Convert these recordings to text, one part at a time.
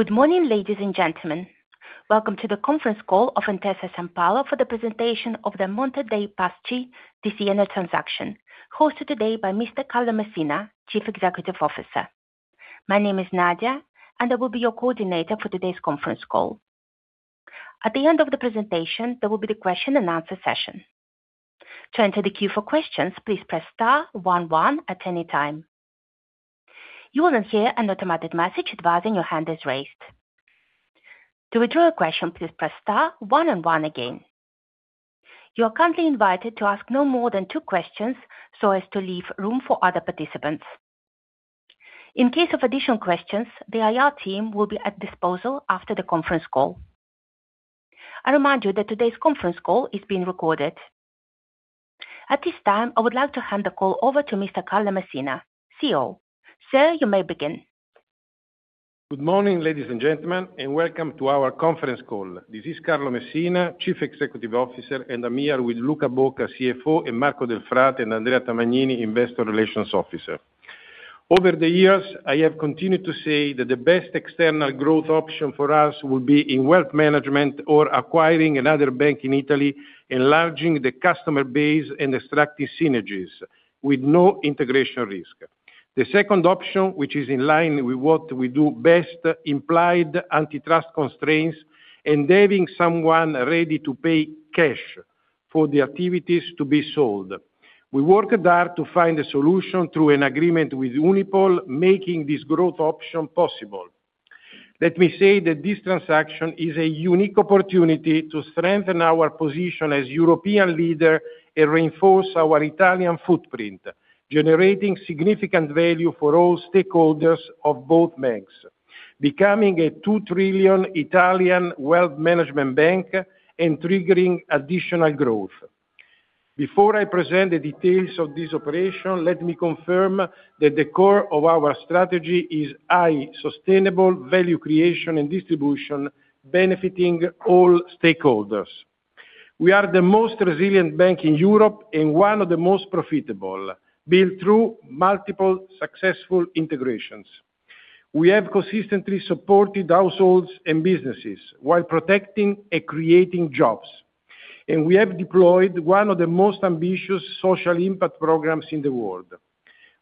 Good morning, ladies and gentlemen. Welcome to the conference call of Intesa Sanpaolo for the presentation of the Monte dei Paschi di Siena transaction, hosted today by Mr. Carlo Messina, Chief Executive Officer. My name is Nadia, and I will be your coordinator for today's conference call. At the end of the presentation, there will be the question and answer session. To enter the queue for questions, please press star one one at any time. You will then hear an automatic message advising your hand is raised. To withdraw your question, please press star one and one again. You are kindly invited to ask no more than two questions so as to leave room for other participants. In case of additional questions, the IR team will be at disposal after the conference call. I remind you that today's conference call is being recorded. At this time, I would like to hand the call over to Mr. Carlo Messina, CEO. Sir, you may begin. Good morning, ladies and gentlemen, and welcome to our conference call. This is Carlo Messina, Chief Executive Officer, and I am here with Luca Bocca, CFO, and Marco Delfrate and Andrea Tamagnini, investor relations officer. Over the years, I have continued to say that the best external growth option for us would be in wealth management or acquiring another bank in Italy, enlarging the customer base and extracting synergies with no integration risk. The second option, which is in line with what we do best, implied antitrust constraints and having someone ready to pay cash for the activities to be sold. We worked hard to find a solution through an agreement with Unipol, making this growth option possible. Let me say that this transaction is a unique opportunity to strengthen our position as European leader and reinforce our Italian footprint, generating significant value for all stakeholders of both banks, becoming a 2 trillion Italian wealth management bank and triggering additional growth. Before I present the details of this operation, let me confirm that the core of our strategy is high sustainable value creation and distribution benefiting all stakeholders. We are the most resilient bank in Europe and one of the most profitable, built through multiple successful integrations. We have consistently supported households and businesses while protecting and creating jobs, and we have deployed one of the most ambitious social impact programs in the world.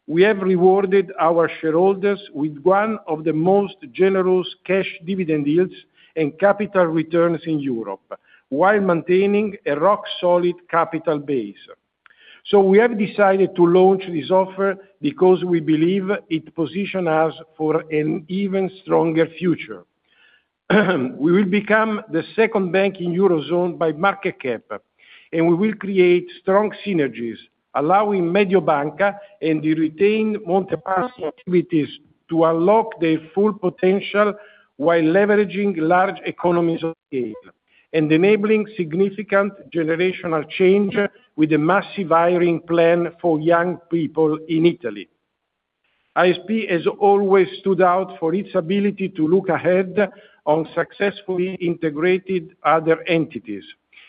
We have rewarded our shareholders with one of the most generous cash dividend yields and capital returns in Europe while maintaining a rock-solid capital base. We have decided to launch this offer because we believe it positions us for an even stronger future. We will become the second bank in eurozone by market cap, and we will create strong synergies allowing Mediobanca and the retained Monte dei Paschi activities to unlock their full potential while leveraging large economies of scale and enabling significant generational change with a massive hiring plan for young people in Italy. ISP has always stood out for its ability to look ahead and successfully integrated other entities,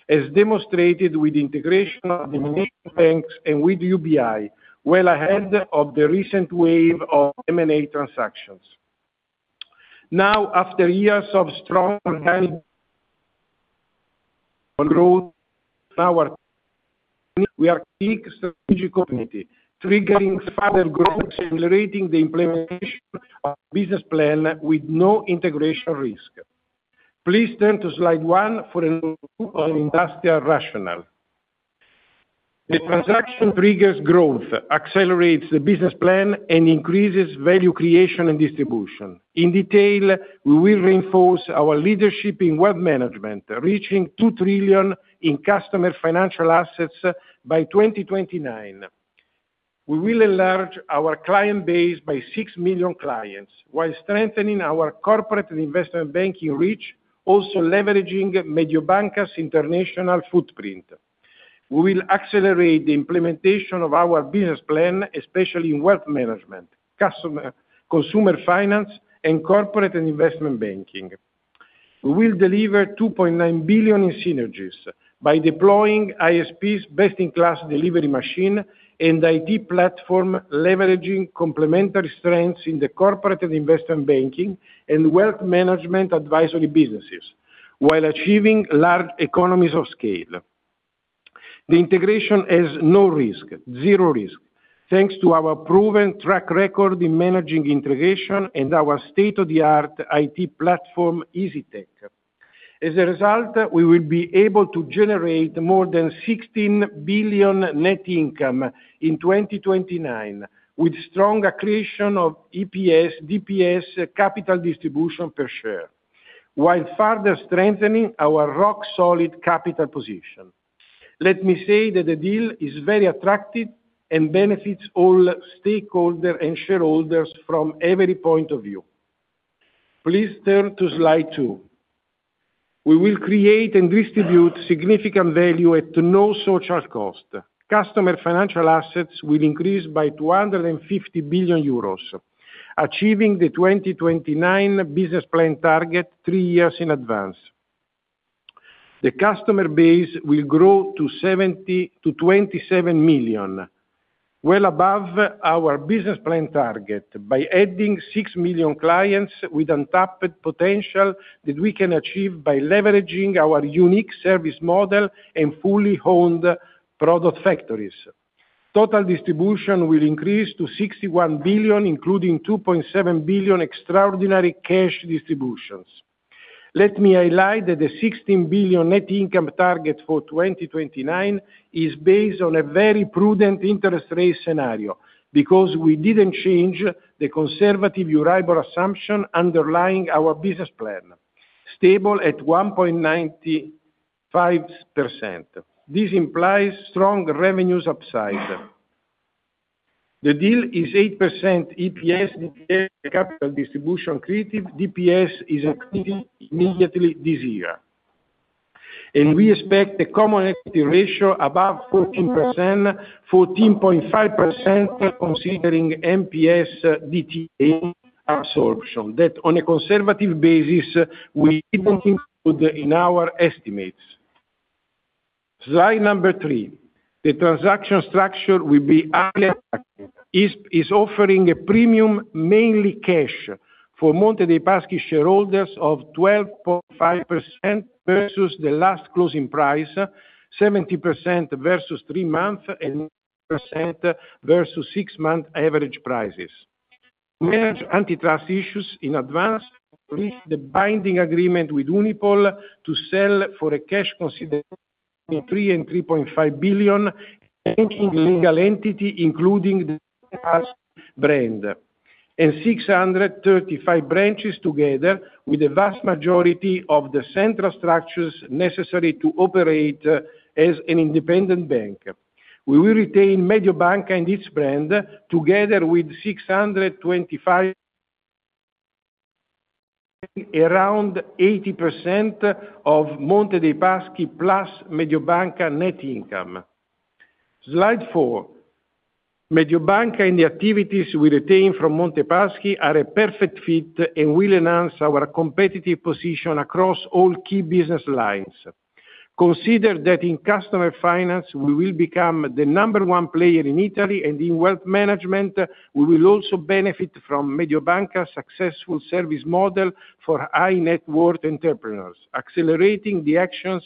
as demonstrated with integration of the main banks and with UBI, well ahead of the recent wave of M&A transactions. Now, after years of strong organic growth, we are a strategic community, triggering further growth, accelerating the implementation of business plan with no integration risk. Please turn to slide one for an overview of industrial rationale. The transaction triggers growth, accelerates the business plan, and increases value creation and distribution. In detail, we will reinforce our leadership in wealth management, reaching 2 trillion in customer financial assets by 2029. We will enlarge our client base by 6 million clients while strengthening our corporate and investment banking reach, also leveraging Mediobanca's international footprint. We will accelerate the implementation of our business plan, especially in wealth management, consumer finance, and corporate and investment banking. We will deliver 2.9 billion in synergies by deploying ISP's best-in-class delivery machine and IT platform. Leveraging complementary strengths in the corporate and investment banking and wealth management advisory businesses while achieving large economies of scale. The integration has no risk, zero risk, thanks to our proven track record in managing integration and our state-of-the-art IT platform, EasyTech. As a result, we will be able to generate more than 16 billion net income in 2029, with strong accretion of EPS, DPS, capital distribution per share, while further strengthening our rock-solid capital position. Let me say that the deal is very attractive and benefits all stakeholders and shareholders from every point of view. Please turn to slide two. We will create and distribute significant value at no social cost. Customer financial assets will increase by 250 billion euros, achieving the 2029 business plan target three years in advance. The customer base will grow to 27 million, well above our business plan target, by adding 6 million clients with untapped potential that we can achieve by leveraging our unique service model and fully owned product factories. Total distribution will increase to 61 billion, including 2.7 billion extraordinary cash distributions. Let me highlight that the 16 billion net income target for 2029 is based on a very prudent interest rate scenario, because we didn't change the conservative Euribor assumption underlying our business plan, stable at 1.95%. This implies strong revenue upside. The deal is 8% EPS, the capital distribution accretive, DPS is accretive immediately this year. We expect the common equity ratio above 14%, 14.5% considering MPS DTA absorption, that on a conservative basis, we didn't include in our estimates. Slide number three. The transaction structure will be highly attractive. ISP is offering a premium, mainly cash, for Monte dei Paschi shareholders of 12.5% versus the last closing price, 70% versus three-month, and 9% versus six-month average prices. To manage antitrust issues in advance, we reached the binding agreement with Unipol to sell for a cash consideration between 3 billion and 3.5 billion, legal entity, including the brand, and 635 branches together with the vast majority of the central structures necessary to operate as an independent bank. We will retain Mediobanca and its brand, together with 625, around 80% of Monte dei Paschi plus Mediobanca net income. Slide four. Mediobanca and the activities we retain from Monte dei Paschi are a perfect fit and will enhance our competitive position across all key business lines. Consider that in customer finance, we will become the number one player in Italy and in wealth management, we will also benefit from Mediobanca's successful service model for high net worth entrepreneurs, accelerating the actions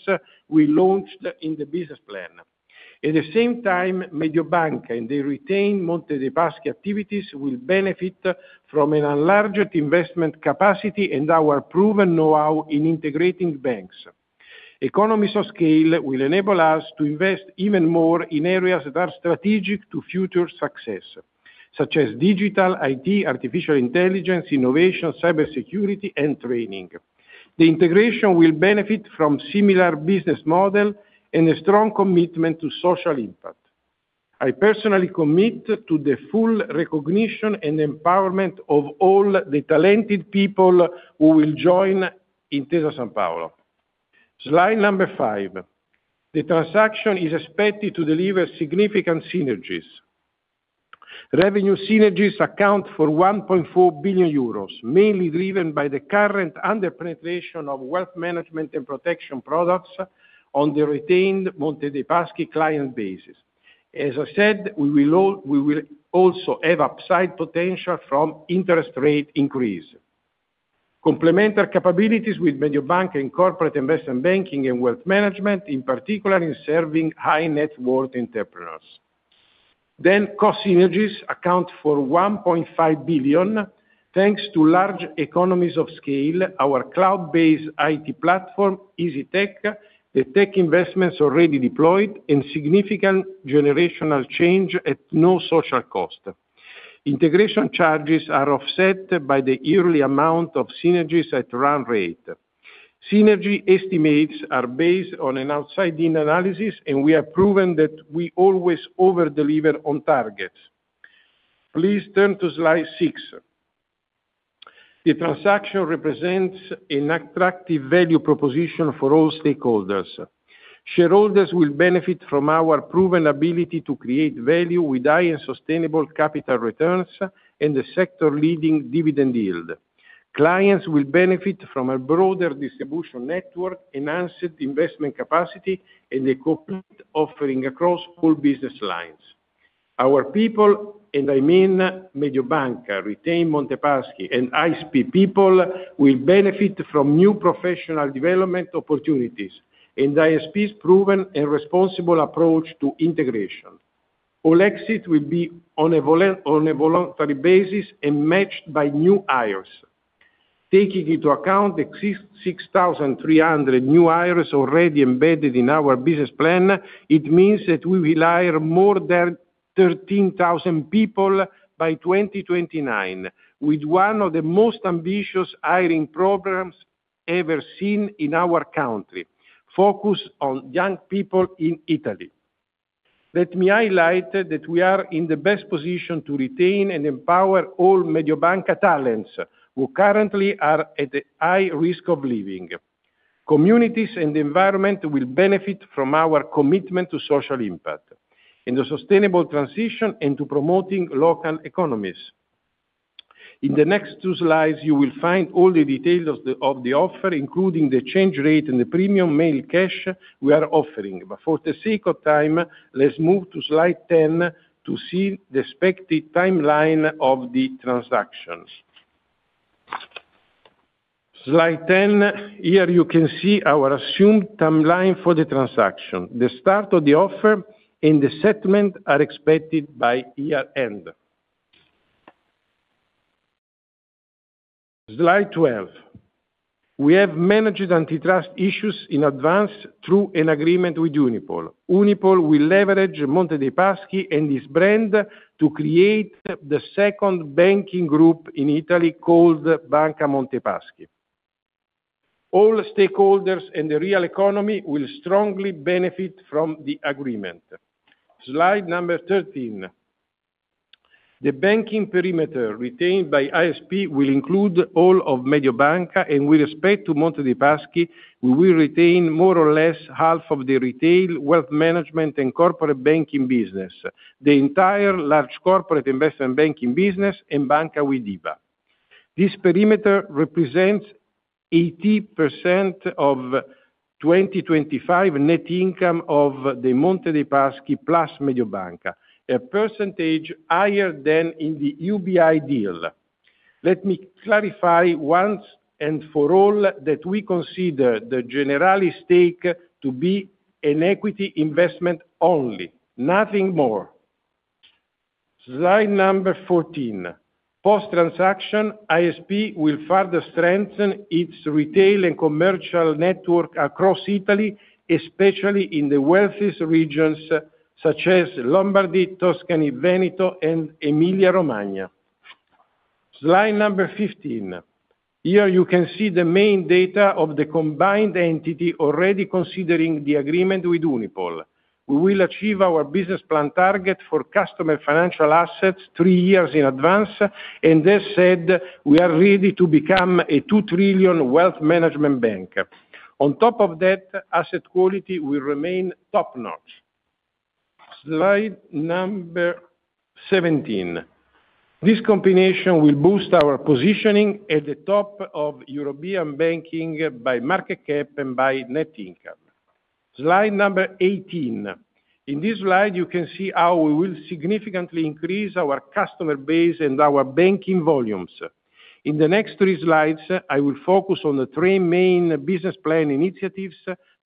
we launched in the business plan. At the same time, Mediobanca and the retained Monte dei Paschi activities will benefit from an enlarged investment capacity and our proven know-how in integrating banks. Economies of scale will enable us to invest even more in areas that are strategic to future success, such as digital, IT, artificial intelligence, innovation, cybersecurity, and training. The integration will benefit from similar business model and a strong commitment to social impact. I personally commit to the full recognition and empowerment of all the talented people who will join Intesa Sanpaolo. Slide number five. The transaction is expected to deliver significant synergies. Revenue synergies account for 1.4 billion euros, mainly driven by the current under-penetration of wealth management and protection products on the retained Monte dei Paschi client bases. As I said, we will also have upside potential from interest rate increase. Complementary capabilities with Mediobanca and Corporate & Investment Banking and wealth management, in particular in serving high net worth entrepreneurs. Cost synergies account for 1.5 billion, thanks to large economies of scale, our cloud-based IT platform, EasyTech, the tech investments already deployed, and significant generational change at no social cost. Integration charges are offset by the yearly amount of synergies at run rate. Synergy estimates are based on an outside-in analysis, we have proven that we always over-deliver on targets. Please turn to slide six. The transaction represents an attractive value proposition for all stakeholders. Shareholders will benefit from our proven ability to create value with high and sustainable capital returns and a sector-leading dividend yield. Clients will benefit from a broader distribution network, enhanced investment capacity, and a complete offering across all business lines. Our people, I mean Mediobanca, retained Monte dei Paschi, and ISP people, will benefit from new professional development opportunities and ISP's proven and responsible approach to integration. All exit will be on a voluntary basis and matched by new hires. Taking into account the 6,300 new hires already embedded in our business plan, it means that we will hire more than 13,000 people by 2029, with one of the most ambitious hiring programs ever seen in our country, focused on young people in Italy. Let me highlight that we are in the best position to retain and empower all Mediobanca talents, who currently are at a high risk of leaving. Communities and the environment will benefit from our commitment to social impact, and the sustainable transition into promoting local economies. In the next two slides, you will find all the details of the offer, including the change rate and the premium made cash we are offering. For the sake of time, let's move to slide 10 to see the expected timeline of the transactions. Slide 10. Here you can see our assumed timeline for the transaction. The start of the offer and the settlement are expected by year-end. Slide 12. We have managed antitrust issues in advance through an agreement with Unipol. Unipol will leverage Monte dei Paschi and its brand to create the second banking group in Italy called Banca Monte dei Paschi. All stakeholders in the real economy will strongly benefit from the agreement. Slide number 13. The banking perimeter retained by ISP will include all of Mediobanca, and with respect to Monte dei Paschi, we will retain more or less half of the retail wealth management and corporate banking business, the entire large corporate investment banking business, and Banca Widiba. This perimeter represents 80% of 2025 net income of the Monte dei Paschi plus Mediobanca, a percentage higher than in the UBI deal. Let me clarify once and for all that we consider the Generali stake to be an equity investment only, nothing more. Slide number 14. Post-transaction, ISP will further strengthen its retail and commercial network across Italy, especially in the wealthiest regions such as Lombardy, Tuscany, Veneto, and Emilia-Romagna. Slide number 15. Here you can see the main data of the combined entity already considering the agreement with Unipol. We will achieve our business plan target for customer financial assets three years in advance, and this said, we are ready to become a 2 trillion wealth management bank. On top of that, asset quality will remain top-notch. Slide number 17. This combination will boost our positioning at the top of European banking by market cap and by net income. Slide number 18. In this slide, you can see how we will significantly increase our customer base and our banking volumes. In the next three slides, I will focus on the three main business plan initiatives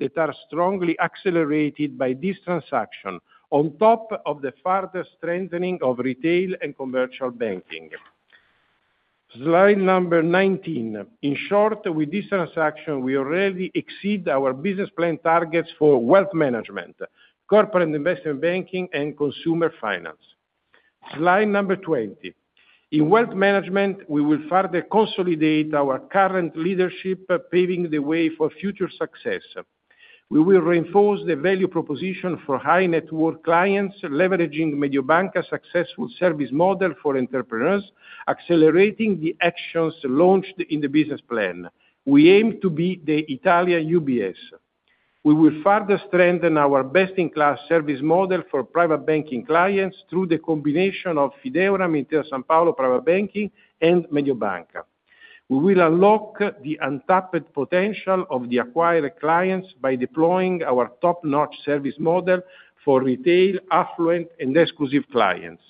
that are strongly accelerated by this transaction, on top of the further strengthening of retail and commercial banking. Slide number 19. In short, with this transaction, we already exceed our business plan targets for wealth management, corporate investment banking, and consumer finance. Slide number 20. In wealth management, we will further consolidate our current leadership, paving the way for future success. We will reinforce the value proposition for high-net-worth clients, leveraging Mediobanca's successful service model for entrepreneurs, accelerating the actions launched in the business plan. We aim to be the Italian UBS. We will further strengthen our best-in-class service model for private banking clients through the combination of Fideuram, Intesa Sanpaolo Private Banking, and Mediobanca. We will unlock the untapped potential of the acquired clients by deploying our top-notch service model for retail, affluent, and exclusive clients.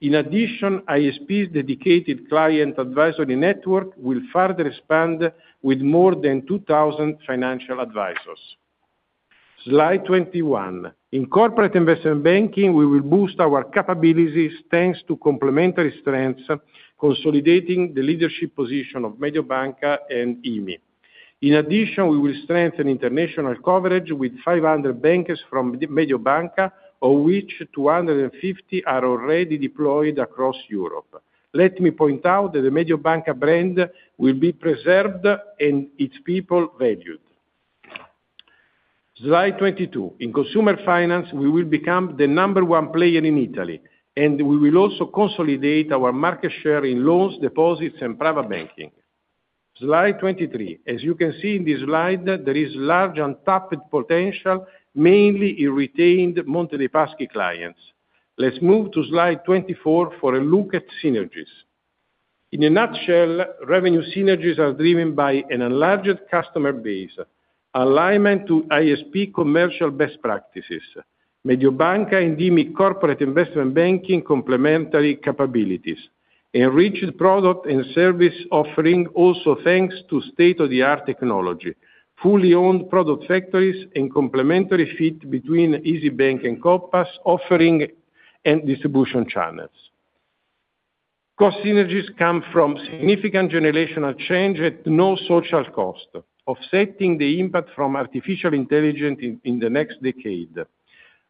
In addition, ISP's dedicated client advisory network will further expand with more than 2,000 financial advisors. Slide 21. In corporate investment banking, we will boost our capabilities thanks to complementary strengths, consolidating the leadership position of Mediobanca and IMI. In addition, we will strengthen international coverage with 500 bankers from Mediobanca, of which 250 are already deployed across Europe. Let me point out that the Mediobanca brand will be preserved and its people valued. Slide 22. In consumer finance, we will become the number one player in Italy, and we will also consolidate our market share in loans, deposits, and private banking. Slide 23. As you can see in this slide, there is large untapped potential, mainly in retained Monte dei Paschi clients. Let's move to slide 24 for a look at synergies. In a nutshell, revenue synergies are driven by an enlarged customer base, alignment to ISP commercial best practices, Mediobanca and IMI corporate investment banking complementary capabilities, enriched product and service offering, also thanks to state-of-the-art technology, fully owned product factories, and complementary fit between Isybank and Compass offering and distribution channels. Cost synergies come from significant generational change at no social cost, offsetting the impact from artificial intelligence in the next decade.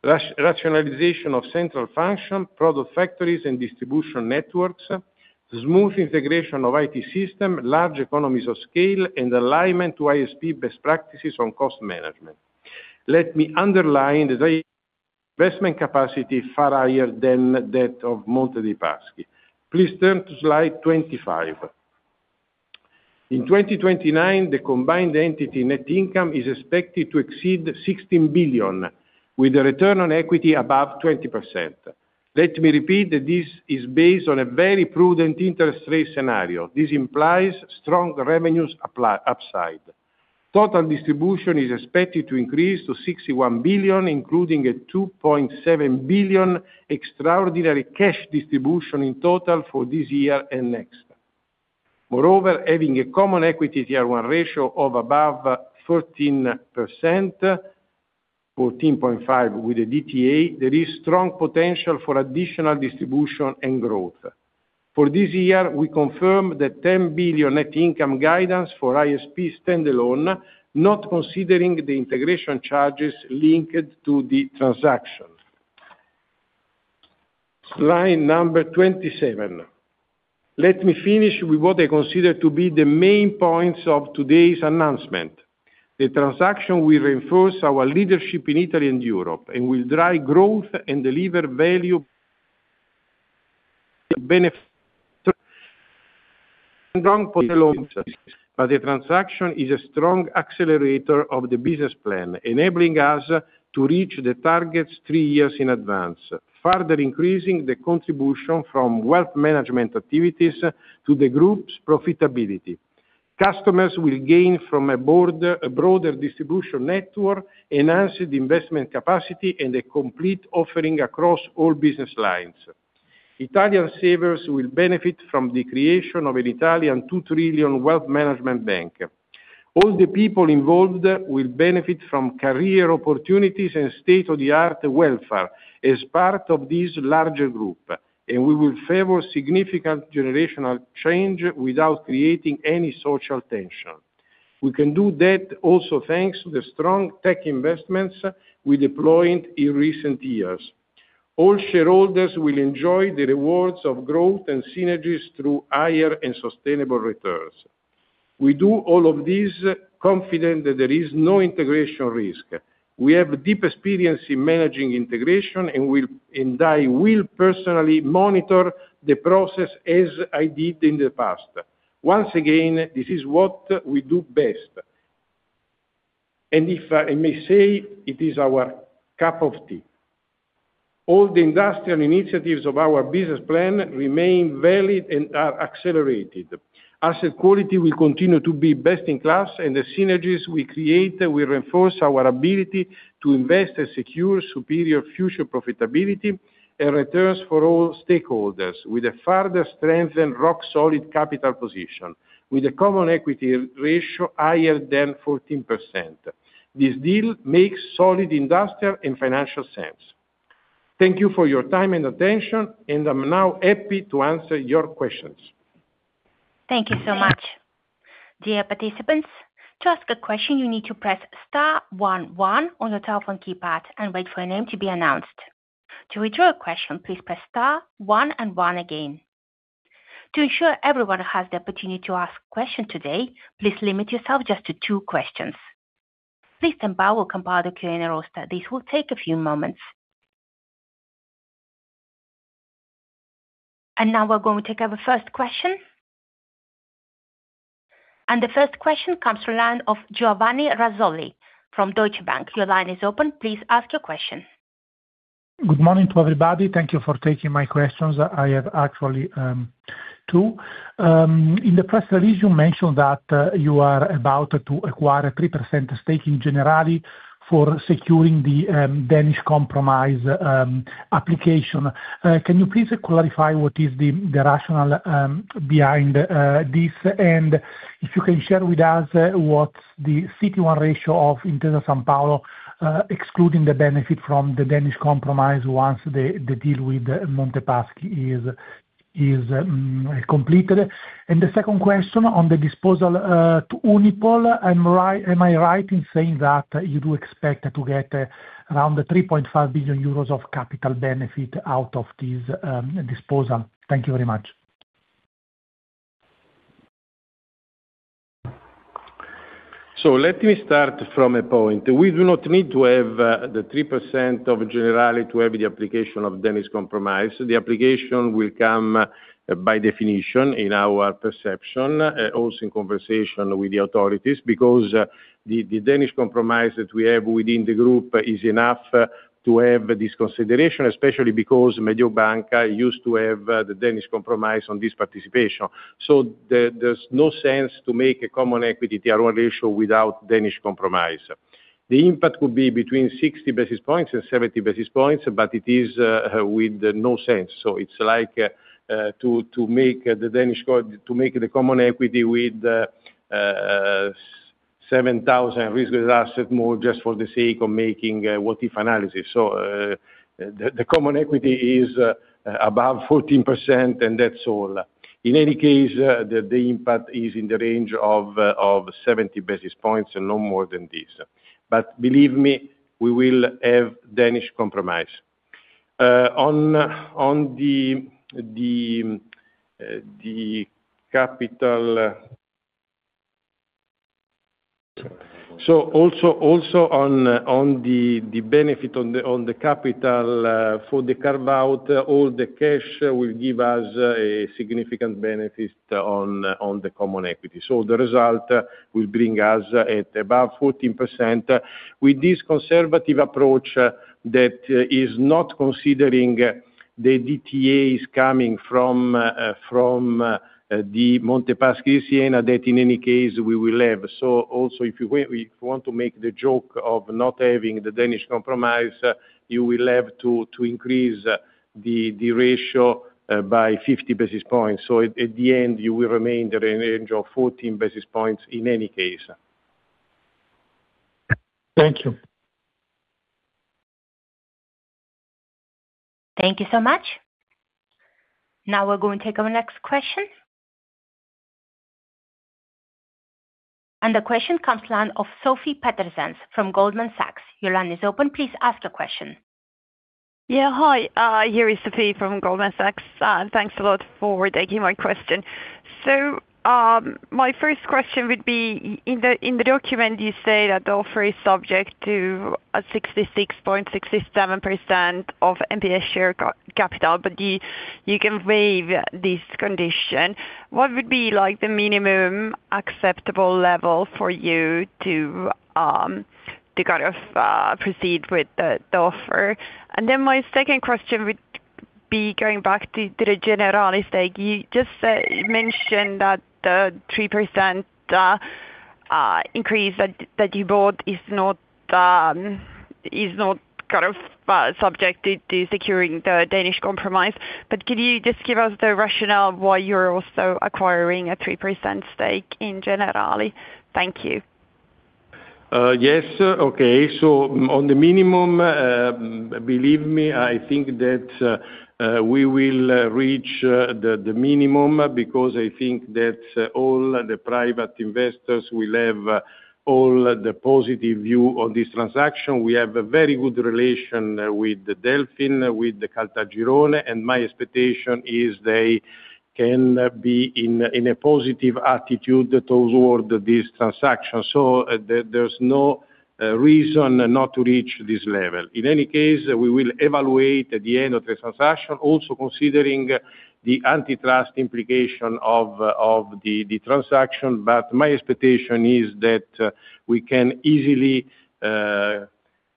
Rationalization of central function, product factories, and distribution networks, smooth integration of IT system, large economies of scale, and alignment to ISP best practices on cost management. Let me underline that investment capacity far higher than that of Monte dei Paschi. Please turn to slide 25. In 2029, the combined entity net income is expected to exceed 16 billion, with a return on equity above 20%. Let me repeat, that this is based on a very prudent interest rate scenario. This implies strong revenues upside. Total distribution is expected to increase to 61 billion, including a 2.7 billion extraordinary cash distribution in total for this year and next. Moreover, having a Common Equity Tier 1 ratio of above 14%, 14.5% with the DTA, there is strong potential for additional distribution and growth. For this year, we confirm the 10 billion net income guidance for ISP standalone, not considering the integration charges linked to the transaction. Slide number 27. Let me finish with what I consider to be the main points of today's announcement. The transaction will reinforce our leadership in Italy and Europe, and will drive growth and deliver value, benefit but the transaction is a strong accelerator of the business plan, enabling us to reach the targets three years in advance, further increasing the contribution from wealth management activities to the Group's profitability. Customers will gain from a broader distribution network, enhanced investment capacity, and a complete offering across all business lines. Italian savers will benefit from the creation of an Italian 2 trillion wealth management bank. All the people involved will benefit from career opportunities and state-of-the-art welfare as part of this larger group, and we will favor significant generational change without creating any social tension. We can do that also thanks to the strong tech investments we deployed in recent years. All shareholders will enjoy the rewards of growth and synergies through higher and sustainable returns. We do all of this confident that there is no integration risk. We have deep experience in managing integration, and I will personally monitor the process as I did in the past. Once again, this is what we do best. If I may say, it is our cup of tea. All the industrial initiatives of our business plan remain valid and are accelerated. Asset quality will continue to be best in class. The synergies we create will reinforce our ability to invest and secure superior future profitability and returns for all stakeholders, with a further strengthened, rock-solid capital position, with a common equity ratio higher than 14%. This deal makes solid industrial and financial sense. Thank you for your time and attention. I'm now happy to answer your questions. Thank you so much. Dear participants, to ask a question, you need to press star one one on your telephone keypad and wait for your name to be announced. To withdraw a question, please press star one and one again. To ensure everyone has the opportunity to ask a question today, please limit yourself just to two questions. Please stand by, we'll compile the Q&A roster. This will take a few moments. Now we're going to take our first question. The first question comes from the line of Giovanni Razzoli from Deutsche Bank. Your line is open. Please ask your question. Good morning to everybody. Thank you for taking my questions. I have actually two. In the press release, you mentioned that you are about to acquire a 3% stake in Generali for securing the Danish Compromise application. Can you please clarify what is the rationale behind this? If you can share with us what the CET1 ratio of Intesa Sanpaolo, excluding the benefit from the Danish Compromise once the deal with Monte Paschi is completed. The second question on the disposal to Unipol, am I right in saying that you do expect to get around 3.5 billion euros of capital benefit out of this disposal? Thank you very much. Let me start from a point. We do not need to have the 3% of Generali to have the application of Danish Compromise. The application will come by definition in our perception, also in conversation with the authorities, because the Danish Compromise that we have within the group is enough to have this consideration, especially because Mediobanca used to have the Danish Compromise on this participation. There's no sense to make a common equity Tier 1 ratio without Danish Compromise. The impact could be between 60 basis points and 70 basis points, but it is with no sense. It's like to make the common equity with 7,000 risk-weighted asset more just for the sake of making a what-if analysis. The common equity is above 14%. That's all. In any case, the impact is in the range of 70 basis points and no more than this. Believe me, we will have Danish Compromise. On the capital. Also on the benefit on the capital for the carve-out, all the cash will give us a significant benefit on the Common Equity. The result will bring us at above 14%. With this conservative approach that is not considering the DTAs coming from the Monte dei Paschi di Siena, that in any case, we will have. Also if you want to make the joke of not having the Danish Compromise, you will have to increase the ratio by 50 basis points. At the end, you will remain at a range of 14% in any case. Thank you. Thank you so much. We're going to take our next question. The question comes line of Sofie Peterzens from Goldman Sachs. Your line is open. Please ask your question. Hi, here is Sofie from Goldman Sachs. Thanks a lot for taking my question. My first question would be, in the document you say that the offer is subject to a 66.67% of MPS share capital, you can waive this condition. What would be the minimum acceptable level for you to proceed with the offer? My second question would be going back to the Generali stake. You just mentioned that the 3% increase that you bought is not subjected to securing the Danish Compromise, can you just give us the rationale of why you're also acquiring a 3% stake in Generali? Thank you. Yes. Okay. On the minimum, believe me, I think that we will reach the minimum, because I think that all the private investors will have all the positive view on this transaction. We have a very good relation with the Delfin, with the Caltagirone, and my expectation is they can be in a positive attitude toward this transaction. There's no reason not to reach this level. In any case, we will evaluate at the end of the transaction, also considering the antitrust implication of the transaction. My expectation is that we can easily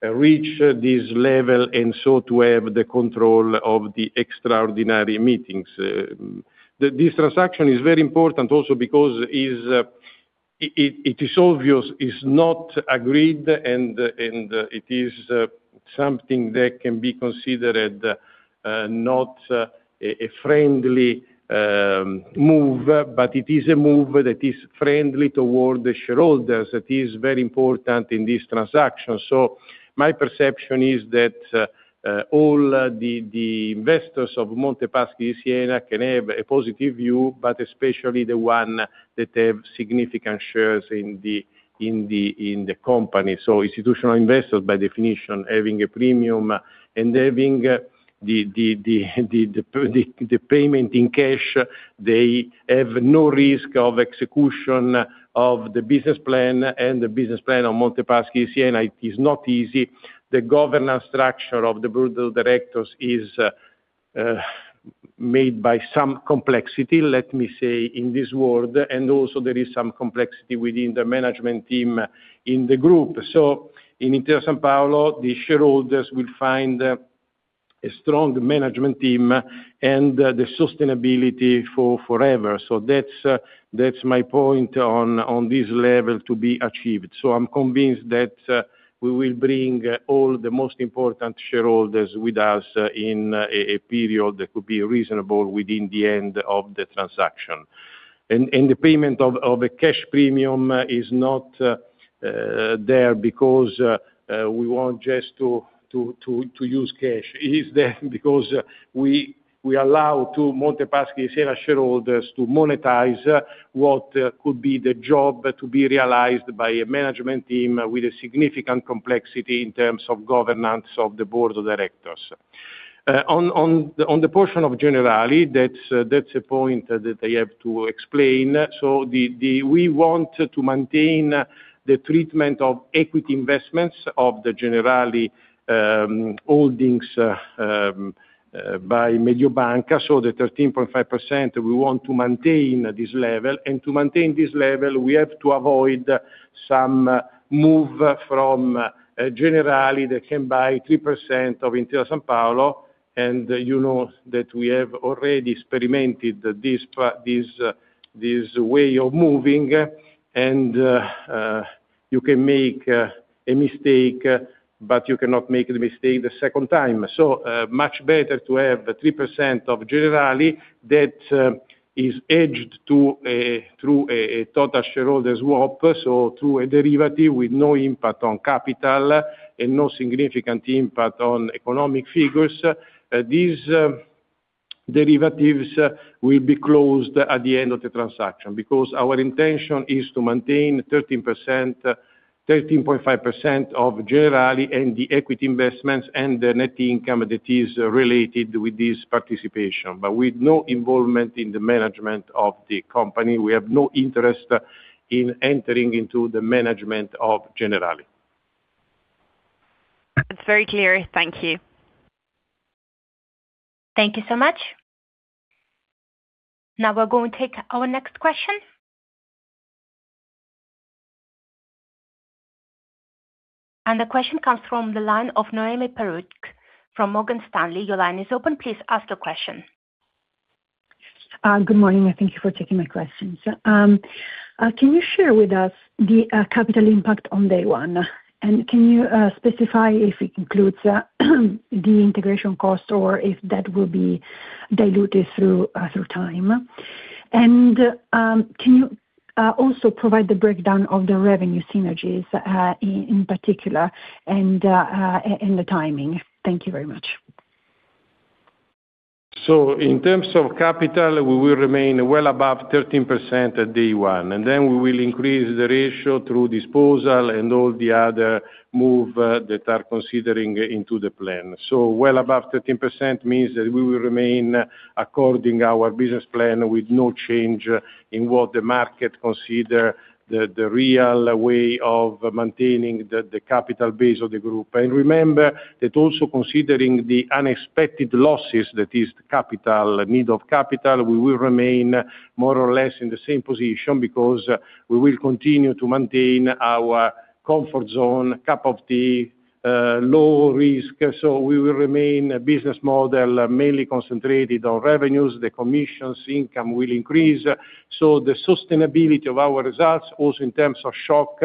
reach this level, and so to have the control of the extraordinary meetings. This transaction is very important also because it is obvious it's not agreed, and it is something that can be considered not a friendly move. It is a move that is friendly toward the shareholders, that is very important in this transaction. My perception is that all the investors of Monte dei Paschi di Siena can have a positive view. Especially the one that have significant shares in the company. Institutional investors, by definition, having a premium and having the payment in cash, they have no risk of execution of the business plan, and the business plan on Monte dei Paschi di Siena is not easy. The governance structure of the board of directors is made by some complexity, let me say, in this world, and also there is some complexity within the management team in the group. In Intesa Sanpaolo, the shareholders will find a strong management team and the sustainability for forever. That's my point on this level to be achieved. I'm convinced that we will bring all the most important shareholders with us in a period that could be reasonable within the end of the transaction. The payment of a cash premium is not there because we want just to use cash. It is there because we allow to Monte dei Paschi di Siena shareholders to monetize what could be the job to be realized by a management team with a significant complexity in terms of governance of the board of directors. On the portion of Generali, that's a point that I have to explain. We want to maintain the treatment of equity investments of the Generali holdings by Mediobanca. The 13.5%, we want to maintain this level. To maintain this level, we have to avoid some move from Generali that can buy 3% of Intesa Sanpaolo, and you know that we have already experimented this way of moving, and you can make a mistake, but you cannot make the mistake a second time. Much better to have 3% of Generali that is hedged through a total return swap, so through a derivative with no impact on capital and no significant impact on economic figures. These derivatives will be closed at the end of the transaction, because our intention is to maintain 13.5% of Generali and the equity investments and the net income that is related with this participation. With no involvement in the management of the company. We have no interest in entering into the management of Generali. That's very clear. Thank you. Thank you so much. Now we're going to take our next question. The question comes from the line of Noemi Peruch from Morgan Stanley. Your line is open. Please ask the question. Good morning, thank you for taking my questions. Can you share with us the capital impact on day one? Can you specify if it includes the integration cost or if that will be diluted through time? Can you also provide the breakdown of the revenue synergies in particular and the timing? Thank you very much. In terms of capital, we will remain well above 13% at day one. We will increase the ratio through disposal and all the other move that are considering into the plan. Well above 13% means that we will remain according our business plan with no change in what the market consider the real way of maintaining the capital base of the group. Remember that also considering the unexpected losses, that is the need of capital, we will remain more or less in the same position because we will continue to maintain our comfort zone, cap of the low risk. We will remain a business model mainly concentrated on revenues. The commissions income will increase. The sustainability of our results also in terms of shock,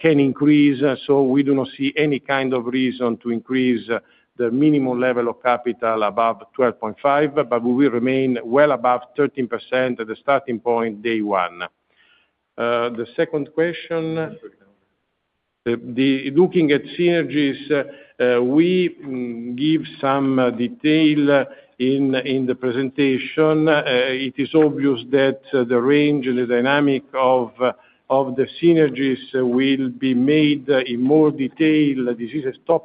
can increase. We do not see any kind of reason to increase the minimum level of capital above 12.5%, but we will remain well above 13% at the starting point, day one. The second question, looking at synergies, we give some detail in the presentation. It is obvious that the range and the dynamic of the synergies will be made in more detail. This is a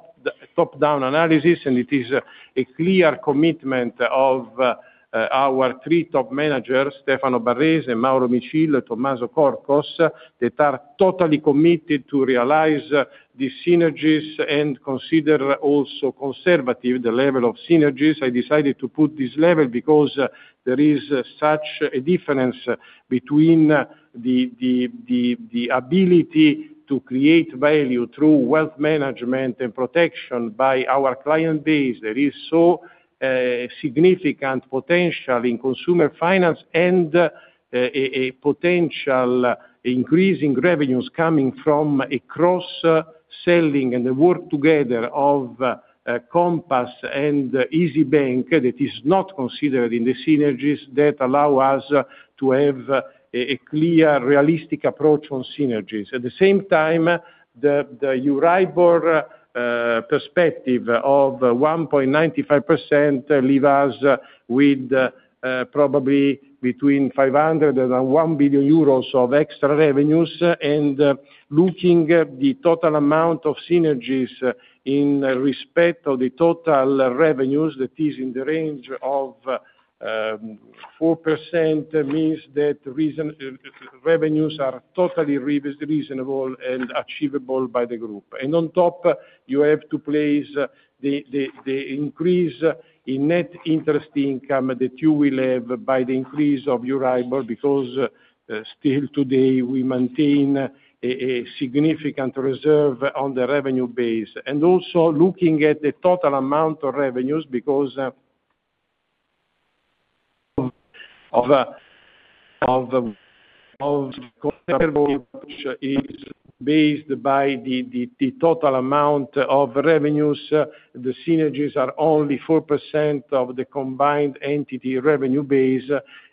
top-down analysis, and it is a clear commitment of our three top managers, Stefano Barrese, Mauro Micillo, Tommaso Corcos, that are totally committed to realize these synergies and consider also conservative the level of synergies. I decided to put this level because there is such a difference between the ability to create value through wealth management and protection by our client base. There is so significant potential in consumer finance and a potential increase in revenues coming from a cross-selling, and the work together of Compass and Isybank that is not considered in the synergies that allow us to have a clear, realistic approach on synergies. At the same time, the Euribor perspective of 1.95% leave us with probably between 500 million and 1 billion euros of extra revenues. Looking at the total amount of synergies in respect of the total revenues, that is in the range of 4%, means that revenues are totally reasonable and achievable by the group. On top, you have to place the increase in net interest income that you will have by the increase of Euribor, because still today we maintain a significant reserve on the revenue base. Also looking at the total amount of revenues because of comparable, which is based by the total amount of revenues. The synergies are only 4% of the combined entity revenue base,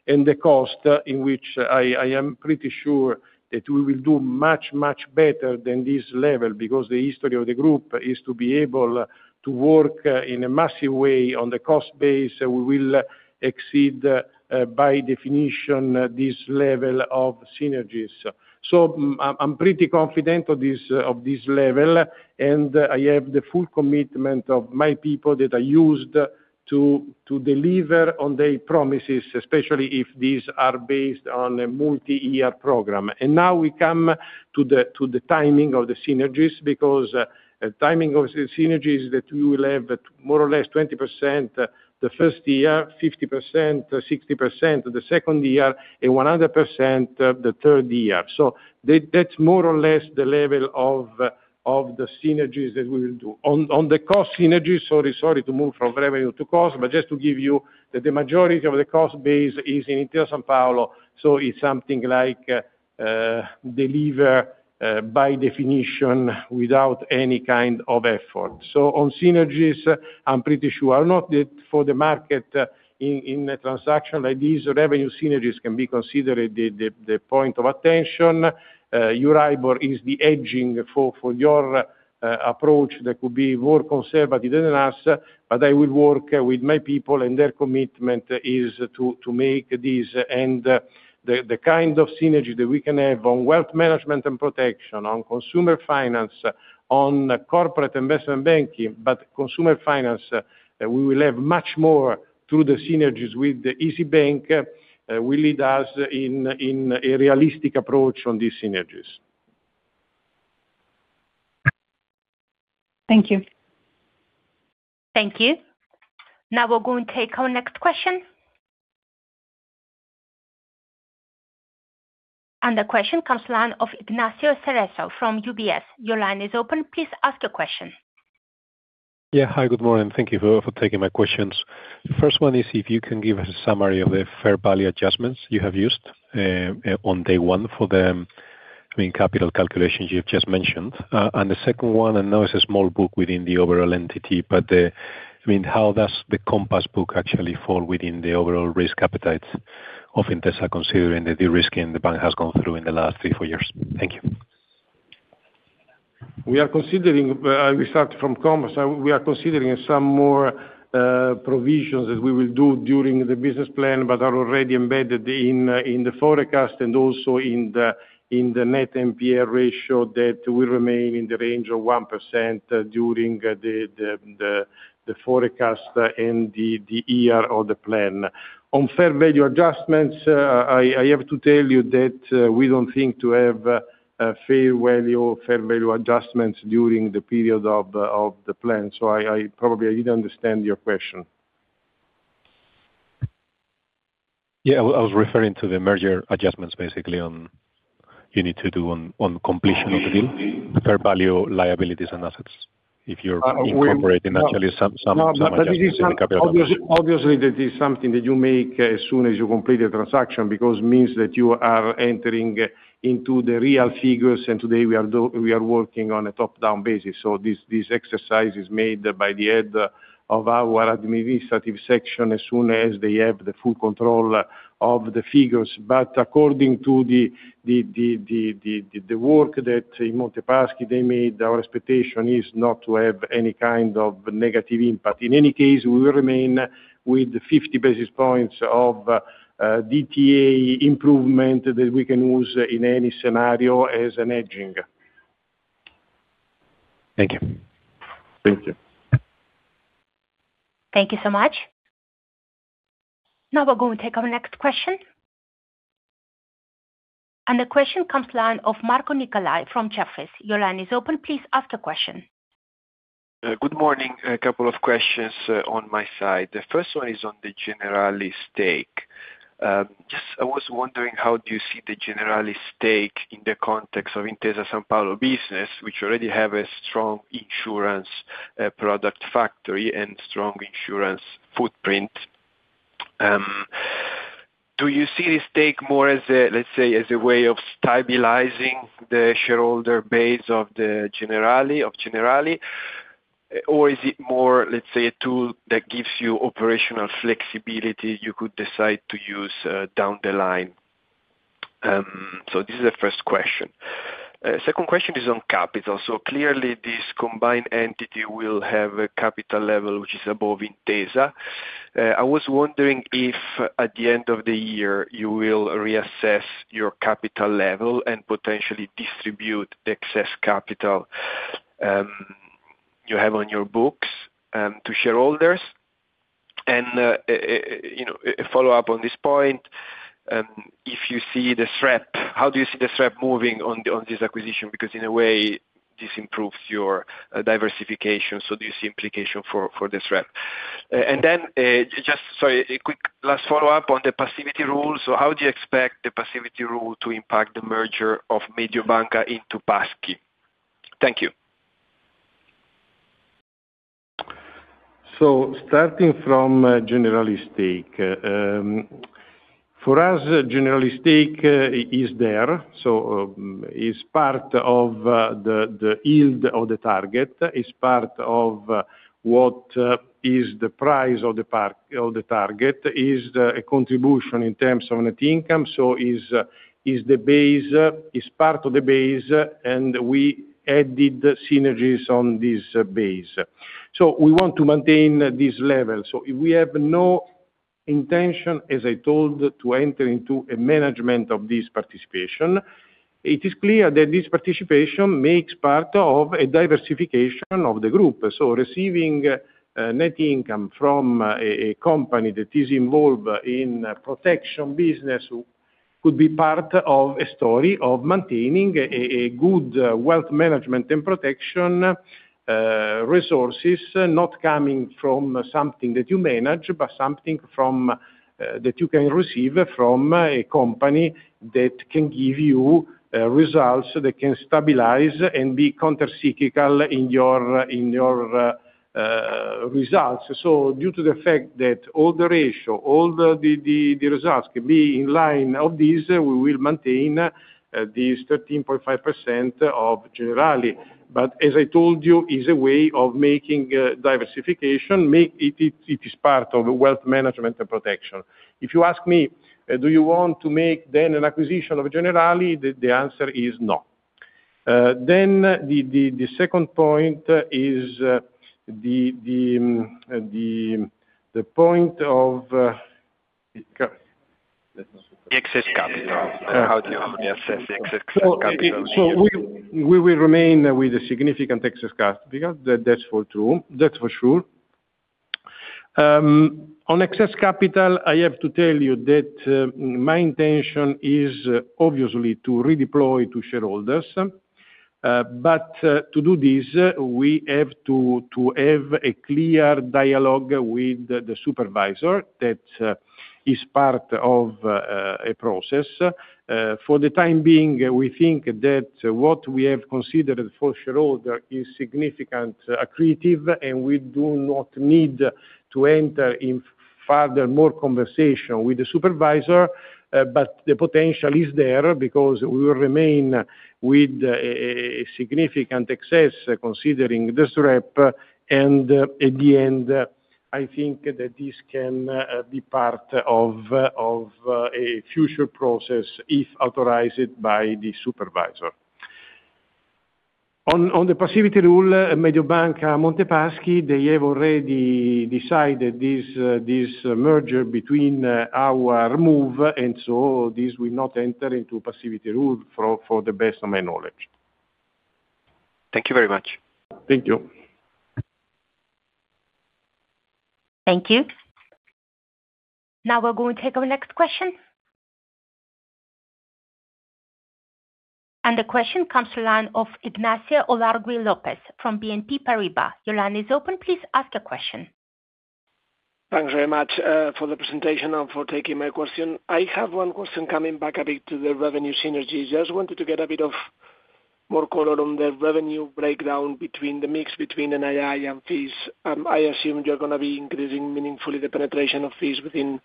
and the cost in which I am pretty sure that we will do much, much better than this level because the history of the group is to be able to work in a massive way on the cost base. We will exceed, by definition, this level of synergies. I'm pretty confident of this level, and I have the full commitment of my people that are used to deliver on their promises, especially if these are based on a multi-year program. Now we come to the timing of the synergies. Timing of synergies that we will have more or less 20% the first year, 50%, 60% the second year, and 100% the third year. That's more or less the level of the synergies that we will do. On the cost synergies, sorry to move from revenue to cost, but just to give you, that the majority of the cost base is in Intesa Sanpaolo, so it's something like deliver by definition without any kind of effort. On synergies, I'm pretty sure, I know that for the market in a transaction like this, revenue synergies can be considered the point of attention. Euribor is the hedging for your approach that could be more conservative than us, but I will work with my people, and their commitment is to make this. The kind of synergy that we can have on wealth management and protection, on consumer finance, on corporate investment banking, but consumer finance, we will have much more through the synergies with the Isybank, will lead us in a realistic approach on these synergies. Thank you. Thank you. Now we're going to take our next question. The question comes line of Ignacio Cerezo from UBS. Your line is open. Please ask your question. Yeah. Hi, good morning. Thank you for taking my questions. The first one is if you can give us a summary of the fair value adjustments you have used on day one for the mean capital calculations you've just mentioned. The second one, I know it's a small book within the overall entity, but how does the Compass book actually fall within the overall risk appetite of Intesa, considering the de-risking the bank has gone through in the last three, four years? Thank you. We start from Compass. We are considering some more provisions that we will do during the business plan, but are already embedded in the forecast and also in the net NPE ratio that will remain in the range of 1% during the forecast and the year of the plan. On fair value adjustments, I have to tell you that we don't think to have a fair value adjustments during the period of the plan. Probably, I didn't understand your question. Yeah, I was referring to the merger adjustments basically you need to do on completion of the deal, the fair value liabilities and assets, if you're incorporating actually some adjustments in the capital. Obviously, that is something that you make as soon as you complete the transaction, because means that you are entering into the real figures. Today we are working on a top-down basis. This exercise is made by the head of our administrative section as soon as they have the full control of the figures. According to the work that Monte Paschi, they made, our expectation is not to have any kind of negative impact. In any case, we will remain with 50 basis points of DTA improvement that we can use in any scenario as a hedging. Thank you. Thank you. Thank you so much. Now we are going to take our next question. The question comes line of Marco Nicolai from Jefferies. Your line is open. Please ask the question. Good morning. A couple of questions on my side. The first one is on the Generali stake. I was wondering, how do you see the Generali stake in the context of Intesa Sanpaolo business, which already have a strong insurance product factory and strong insurance footprint? Do you see this stake more as, let's say, as a way of stabilizing the shareholder base of Generali? Or is it more, let's say, a tool that gives you operational flexibility you could decide to use down the line? This is the first question. Second question is on capital. Clearly this combined entity will have a capital level which is above Intesa. I was wondering if at the end of the year, you will reassess your capital level and potentially distribute the excess capital you have on your books to shareholders. A follow-up on this point, how do you see the SREP moving on this acquisition? Because in a way, this improves your diversification. Do you see implication for the SREP? Then, just sorry, a quick last follow-up on the passivity rule. How do you expect the passivity rule to impact the merger of Mediobanca into Paschi? Thank you. Starting from Generali stake. For us, Generali stake is there. It is part of the yield of the target, is part of what is the price of the target. It is a contribution in terms of net income. It is part of the base, and we added synergies on this base. We want to maintain this level. We have no intention, as I told, to enter into a management of this participation. It is clear that this participation makes part of a diversification of the group. Receiving net income from a company that is involved in protection business could be part of a story of maintaining a good wealth management and protection resources. Not coming from something that you manage, but something that you can receive from a company that can give you results that can stabilize and be countercyclical in your results. Due to the fact that all the ratio, all the results can be in line of this, we will maintain this 13.5% of Generali. As I told you, it is a way of making diversification. It is part of wealth management and protection. If you ask me, do you want to make then an acquisition of Generali? The answer is no. The second point is the point of. The excess capital. How do you assess the excess capital? We will remain with a significant excess capital. That's for sure. On excess capital, I have to tell you that my intention is obviously to redeploy to shareholders. To do this, we have to have a clear dialogue with the supervisor. That is part of a process. For the time being, we think that what we have considered for shareholder is significant accretive, and we do not need to enter in further more conversation with the supervisor. The potential is there because we will remain with a significant excess considering this SREP. At the end, I think that this can be part of a future process if authorized by the supervisor. On the passivity rule, Mediobanca, Monte dei Paschi, they have already decided this merger between our move. This will not enter into passivity rule for the best of my knowledge. Thank you very much. Thank you. Thank you. The question comes to line of Ignacio Ulargui Lopez from BNP Paribas. Your line is open. Please ask your question. Thanks very much for the presentation and for taking my question. I have one question coming back a bit to the revenue synergy. Just wanted to get a bit of more color on the revenue breakdown between the mix between NII and fees. I assume you're going to be increasing meaningfully the penetration of fees within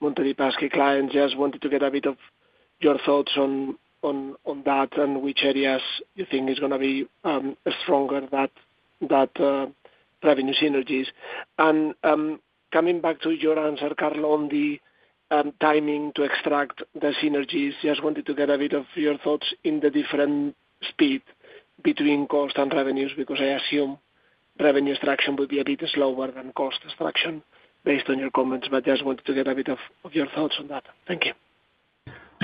Monte dei Paschi clients. Just wanted to get a bit of your thoughts on that and which areas you think is going to be stronger that revenue synergies. Coming back to your answer, Carlo, on the timing to extract the synergies, just wanted to get a bit of your thoughts in the different speed between cost and revenues, because I assume revenue extraction will be a bit slower than cost extraction based on your comments. Just wanted to get a bit of your thoughts on that. Thank you.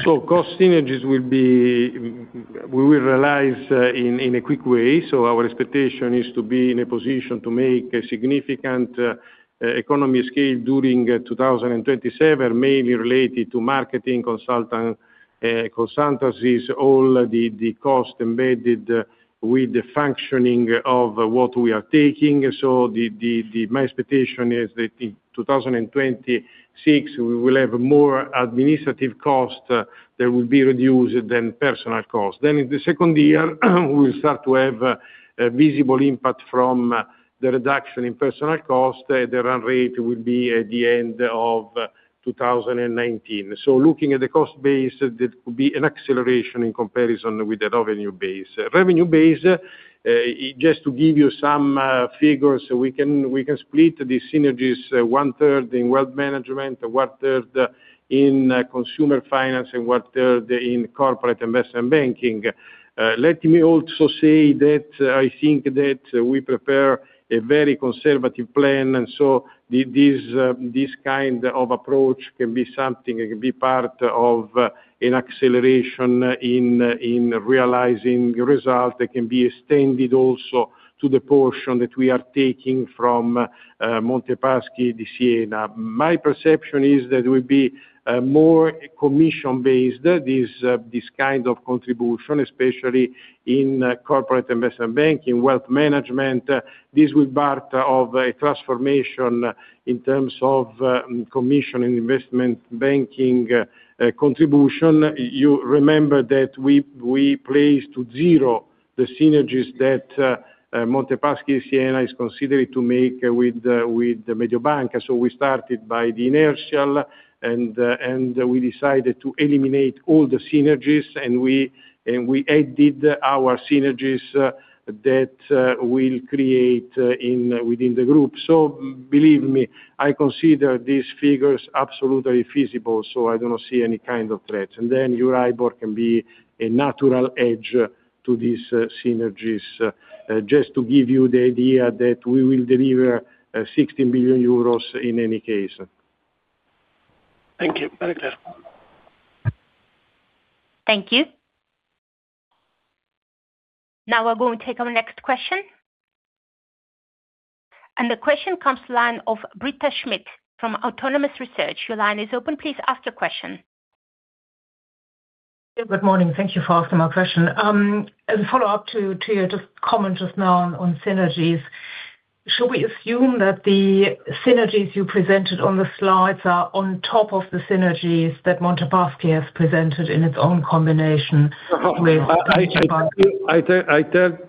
Cost synergies we will realize in a quick way. Our expectation is to be in a position to make significant economies of scale during 2027, mainly related to marketing consultancies, all the costs embedded with the functioning of what we are taking. My expectation is that in 2026, we will have more administrative costs that will be reduced than personnel costs. In the second year, we will start to have a visible impact from the reduction in personnel costs. The run rate will be at the end of 2029. Looking at the cost base, that will be an acceleration in comparison with the revenue base. Revenue base, just to give you some figures, we can split the synergies one-third in wealth management, one-third in consumer finance, and one-third in corporate investment banking. Let me also say that I think that we prepare a very conservative plan. This kind of approach can be something that can be part of an acceleration in realizing results that can be extended also to the portion that we are taking from Monte dei Paschi di Siena. My perception is that it will be more commission-based, this kind of contribution, especially in corporate investment banking, wealth management. This will be part of a transformation in terms of commission and investment banking contribution. You remember that we placed to zero the synergies that Monte dei Paschi di Siena is considering to make with Mediobanca. We started by the inertial. We decided to eliminate all the synergies. We added our synergies that will create within the group. Believe me, I consider these figures absolutely feasible. I do not see any kind of threats. Euribor can be a natural edge to these synergies. Just to give you the idea that we will deliver 16 billion euros in any case. Thank you. Very clear. Thank you. Now we're going to take our next question. The question comes to line of Britta Schmidt from Autonomous Research. Your line is open. Please ask your question. Good morning. Thank you for asking my question. As a follow-up to your just comment just now on synergies, should we assume that the synergies you presented on the slides are on top of the synergies that Monte Paschi has presented in its own combination with Mediobanca?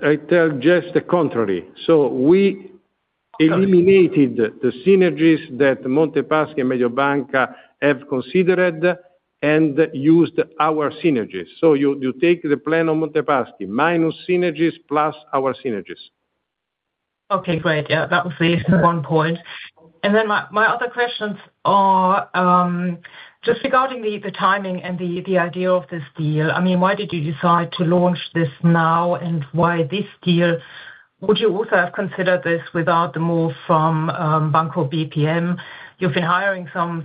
I tell just the contrary. We eliminated the synergies that Monte Paschi and Mediobanca have considered and used our synergies. You take the plan of Monte Paschi, minus synergies, plus our synergies. Okay, great. Yeah, that was one point. My other questions are just regarding the timing and the idea of this deal. Why did you decide to launch this now and why this deal? Would you also have considered this without the move from Banco BPM? You've been hiring some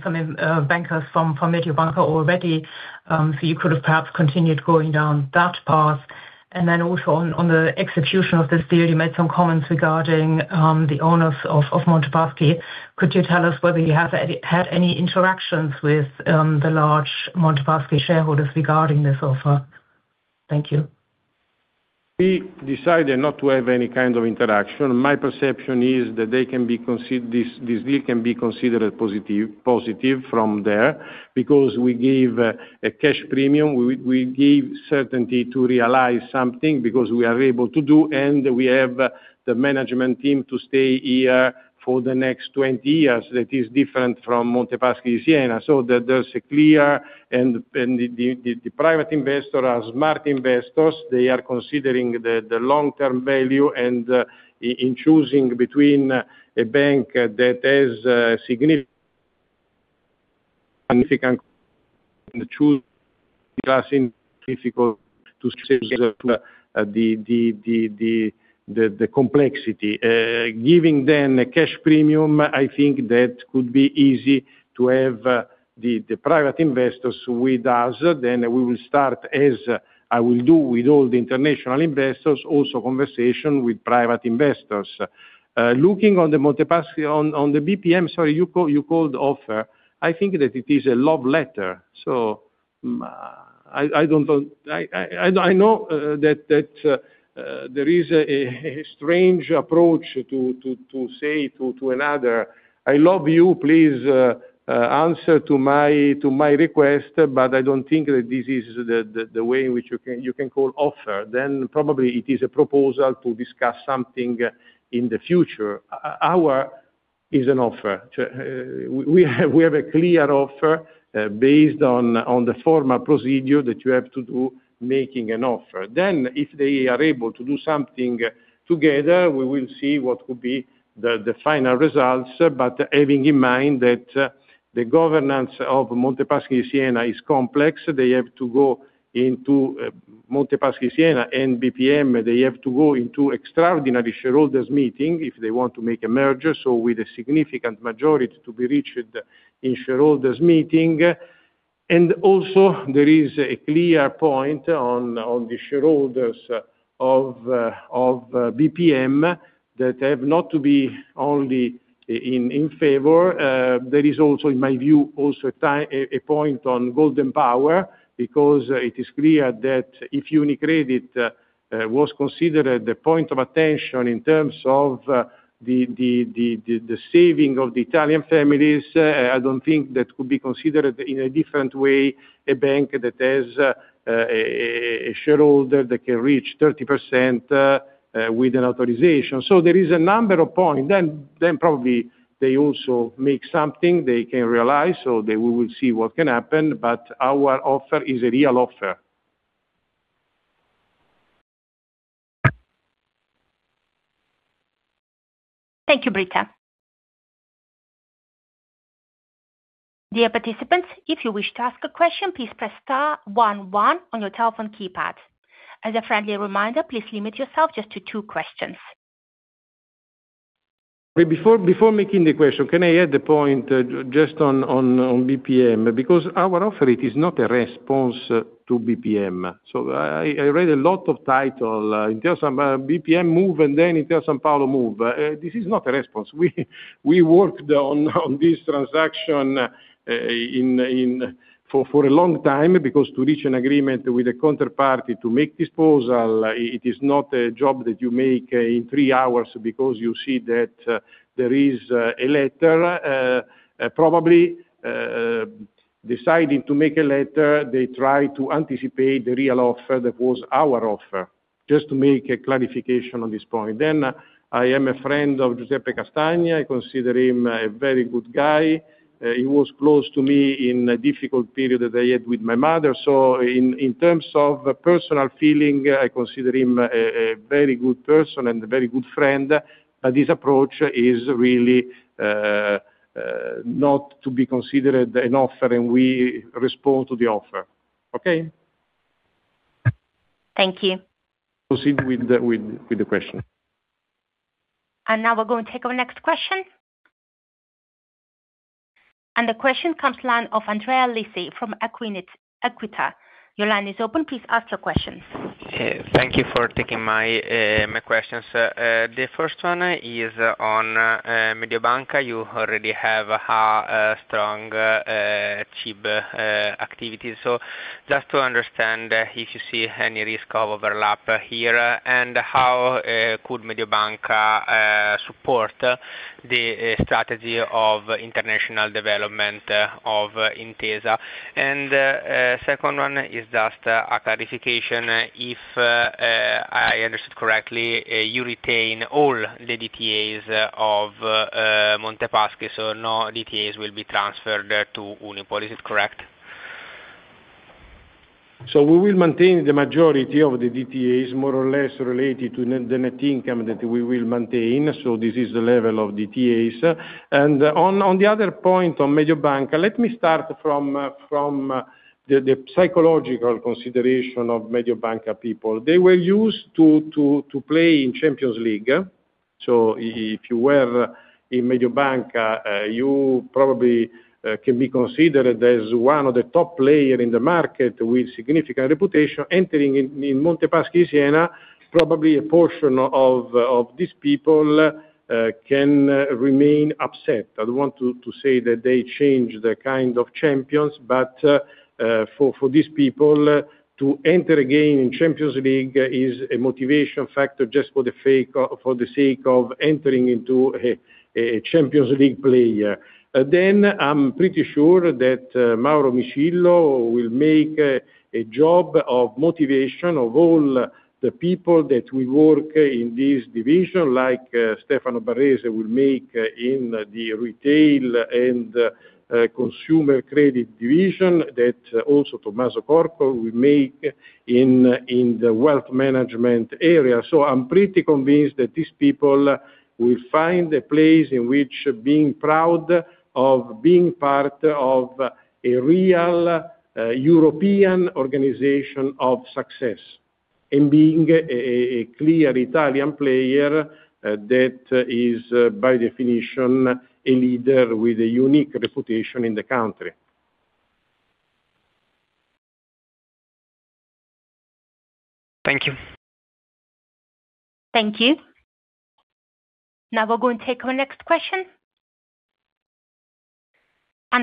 bankers from Mediobanca already, so you could have perhaps continued going down that path. Also on the execution of this deal, you made some comments regarding the owners of Monte Paschi. Could you tell us whether you have had any interactions with the large Monte Paschi shareholders regarding this offer? Thank you. We decided not to have any kind of interaction. My perception is that this deal can be considered positive from there, because we give a cash premium. We give certainty to realize something, because we are able to do, and we have the management team to stay here for the next 20 years. That is different from Monte dei Paschi di Siena. There's a clear, and the private investor, are smart investors. They are considering the long-term value, and in choosing between a bank that has significant the complexity. Giving them a cash premium, I think that could be easy to have the private investors with us. We will start, as I will do with all the international investors, also conversation with private investors. Looking on the BPM, sorry, you called offer. I think that it is a love letter. I know that there is a strange approach to say to another, "I love you, please answer to my request," but I don't think that this is the way in which you can call offer. Probably it is a proposal to discuss something in the future. Ours is an offer. We have a clear offer based on the formal procedure that you have to do, making an offer. If they are able to do something together, we will see what could be the final results, but having in mind that the governance of Monte dei Paschi di Siena is complex. Monte dei Paschi di Siena and BPM, they have to go into extraordinary shareholders meeting if they want to make a merger. With a significant majority to be reached in shareholders meeting. Also, there is a clear point on the shareholders of BPM that have not to be only in favor. There is also, in my view, also a point on golden power, because it is clear that if UniCredit was considered the point of attention in terms of the saving of the Italian families, I don't think that could be considered in a different way, a bank that has a shareholder that can reach 30% with an authorization. There is a number of points. Probably they also make something they can realize. We will see what can happen, but our offer is a real offer. Thank you, Britta. Dear participants, if you wish to ask a question, please press star 11 on your telephone keypad. As a friendly reminder, please limit yourself just to two questions. Before making the question, can I add a point just on BPM? Our offer, it is not a response to BPM. I read a lot of title, Intesa BPM move, and then Intesa Sanpaolo move. This is not a response. We worked on this transaction for a long time, because to reach an agreement with a counterparty to make this proposal, it is not a job that you make in three hours because you see that there is a letter. Probably, deciding to make a letter, they try to anticipate the real offer that was our offer. Just to make a clarification on this point. I am a friend of Giuseppe Castagna. I consider him a very good guy. He was close to me in a difficult period that I had with my mother. In terms of personal feeling, I consider him a very good person and a very good friend. This approach is really not to be considered an offer, and we respond to the offer. Okay? Thank you. Proceed with the question. We're going to take our next question. The question comes line of Andrea Lisi from Equita. Your line is open. Please ask your questions. Thank you for taking my questions. The first one is on Mediobanca. You already have a strong CIB activities. Just to understand if you see any risk of overlap here, and how could Mediobanca support the strategy of international development of Intesa? Second one is just a clarification. If I understood correctly, you retain all the DTAs of Monte Paschi, no DTAs will be transferred to Unipol. Is this correct? We will maintain the majority of the DTAs, more or less related to the net income that we will maintain. This is the level of DTAs. On the other point on Mediobanca, let me start from the psychological consideration of Mediobanca people. They were used to play in Champions League. If you were in Mediobanca, you probably can be considered as one of the top player in the market with significant reputation. Entering in Monte Paschi Siena, probably a portion of these people can remain upset. I don't want to say that they change the kind of champions, but for these people, to enter again in Champions League is a motivation factor just for the sake of entering into a Champions League player. I'm pretty sure that Mauro Micillo will make a job of motivation of all the people that will work in this division, like Stefano Barrese will make in the retail and consumer credit division, that also Tommaso Corcos will make in the wealth management area. I'm pretty convinced that these people will find a place in which being proud of being part of a real European organization of success, and being a clear Italian player that is, by definition, a leader with a unique reputation in the country. Thank you. Thank you. Now we're going to take our next question.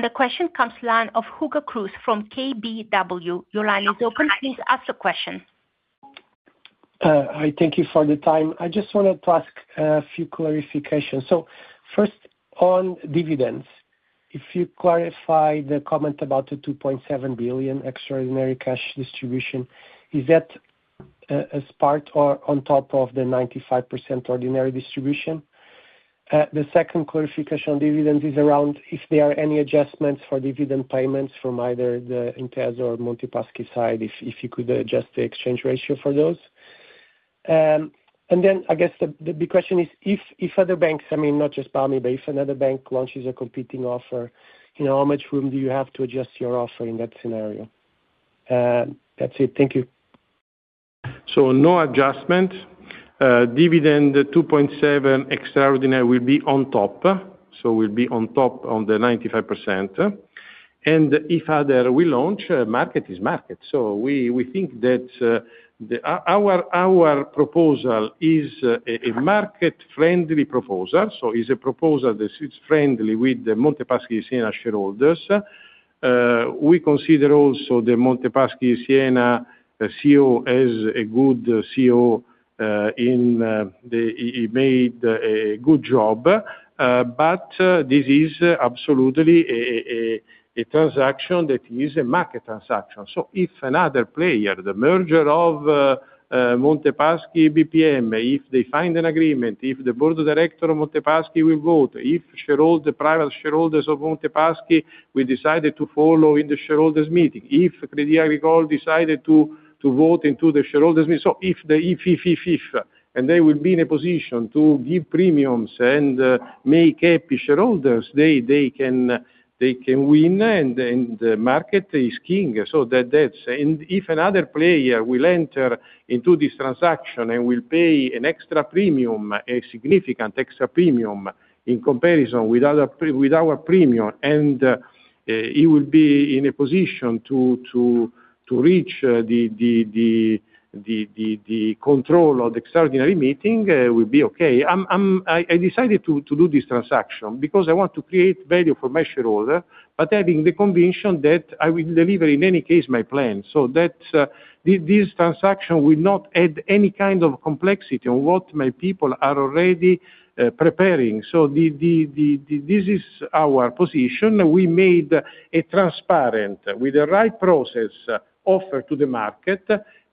The question comes line of Hugo Cruz from KBW. Your line is open. Please ask the question. Hi, thank you for the time. I just wanted to ask a few clarifications. First on dividends, if you clarify the comment about the 2.7 billion extraordinary cash distribution, is that as part or on top of the 95% ordinary distribution? The second clarification on dividend is around if there are any adjustments for dividend payments from either the Intesa or Monte Paschi side, if you could adjust the exchange ratio for those. Then I guess the question is if other banks, I mean not just BPM, but if another bank launches a competing offer, how much room do you have to adjust your offer in that scenario? That's it. Thank you. No adjustment. Dividend 2.7 extraordinary will be on top. Will be on top on the 95%. If other will launch, market is market. We think that our proposal is a market-friendly proposal, so is a proposal that sits friendly with the Monte Paschi Siena shareholders. We consider also the Monte Paschi Siena CEO as a good CEO, he made a good job. This is absolutely a transaction that is a market transaction. If another player, the merger of Monte Paschi BPM, if they find an agreement, if the board of director of Monte Paschi will vote, if the private shareholders of Monte Paschi will decide to follow in the shareholders meeting, if Crédit Agricole decided to vote into the shareholders meeting. If they will be in a position to give premiums and make happy shareholders, they can win, and the market is king. If another player will enter into this transaction and will pay an extra premium, a significant extra premium in comparison with our premium, and he will be in a position to reach the control of the extraordinary meeting, will be okay. I decided to do this transaction because I want to create value for my shareholder, but having the conviction that I will deliver, in any case, my plan. This transaction will not add any kind of complexity on what my people are already preparing. This is our position. We made a transparent, with the right process, offer to the market.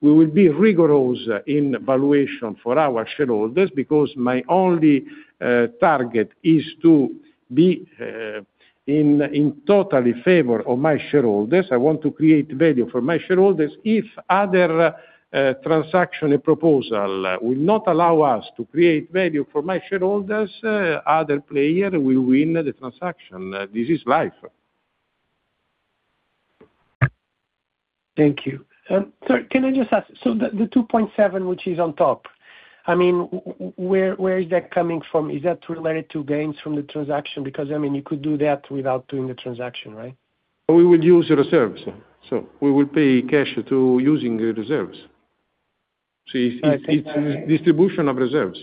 We will be rigorous in valuation for our shareholders because my only target is to be in totally favor of my shareholders. I want to create value for my shareholders. If other transaction proposal will not allow us to create value for my shareholders, other player will win the transaction. This is life. Thank you. Sir, can I just ask, the 2.7 which is on top, where is that coming from? Is that related to gains from the transaction? You could do that without doing the transaction, right? We will use reserves. We will pay cash to using the reserves. I see. It's distribution of reserves.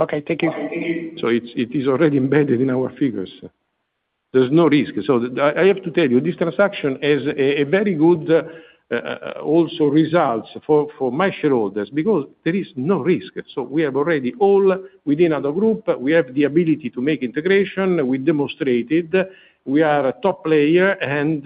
Okay, thank you. It is already embedded in our figures. There's no risk. I have to tell you, this transaction is a very good also results for my shareholders, because there is no risk. We are already all within other group. We have the ability to make integration. We demonstrated we are a top player, and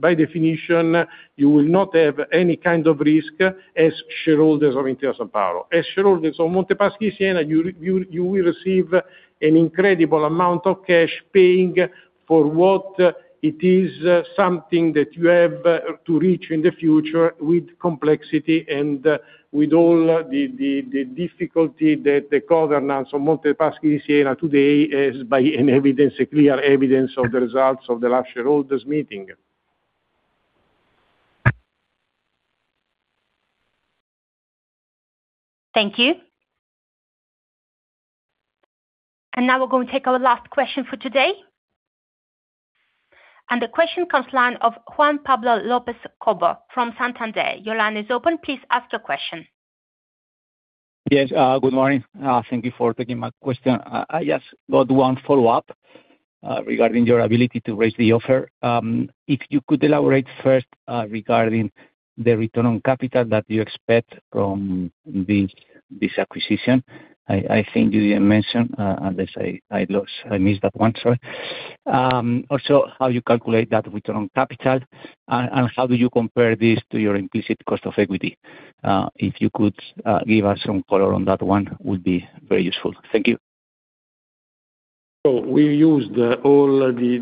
by definition, you will not have any kind of risk as shareholders of Intesa Sanpaolo. As shareholders of Monte Paschi Siena, you will receive an incredible amount of cash paying for what it is something that you have to reach in the future with complexity and with all the difficulty that the governance of Monte Paschi Siena today is by an evidence, a clear evidence of the results of the last shareholders meeting. Thank you. Now we're going to take our last question for today. The question comes line of Juan Pablo López-Cobo from Santander. Your line is open. Please ask your question. Yes. Good morning. Thank you for taking my question. I just got one follow-up regarding your ability to raise the offer. If you could elaborate first regarding the return on capital that you expect from this acquisition. I think you didn't mention, unless I missed that one. Sorry. Also, how you calculate that return on capital, and how do you compare this to your implicit cost of equity? If you could give us some color on that one, would be very useful. Thank you. We used all the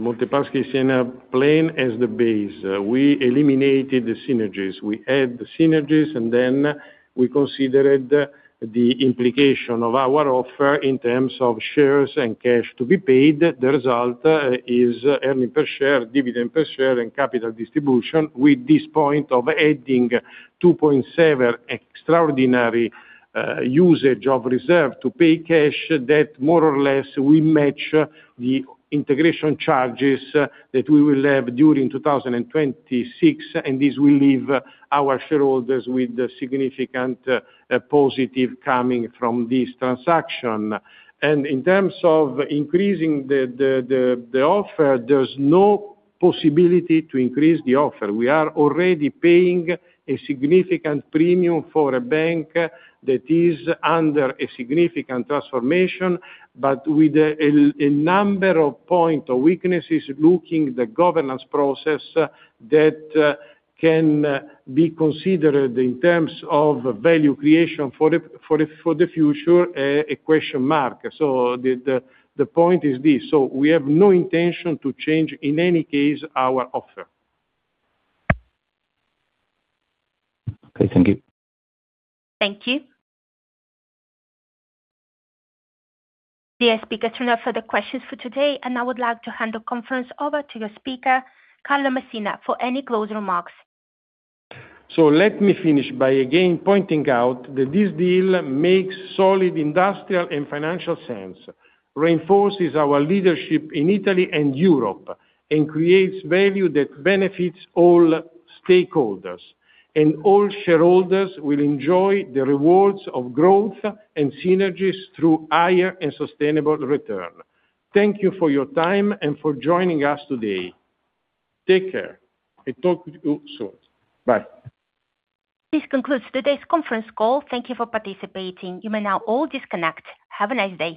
Monte dei Paschi di Siena plan as the base. We eliminated the synergies. We add the synergies, then we considered the implication of our offer in terms of shares and cash to be paid. The result is earning per share, dividend per share, and capital distribution. With this point of adding 2.7 extraordinary usage of reserve to pay cash that more or less will match the integration charges that we will have during 2026, this will leave our shareholders with a significant positive coming from this transaction. In terms of increasing the offer, there's no possibility to increase the offer. We are already paying a significant premium for a bank that is under a significant transformation, with a number of point of weaknesses, looking the governance process that can be considered in terms of value creation for the future, a question mark. The point is this. We have no intention to change, in any case, our offer. Okay, thank you. Thank you. The speaker turned off for the questions for today. I would like to hand the conference over to your speaker, Carlo Messina, for any close remarks. Let me finish by again pointing out that this deal makes solid industrial and financial sense, reinforces our leadership in Italy and Europe, and creates value that benefits all stakeholders. All shareholders will enjoy the rewards of growth and synergies through higher and sustainable return. Thank you for your time and for joining us today. Take care, and talk with you soon. Bye. This concludes today's conference call. Thank you for participating. You may now all disconnect. Have a nice day.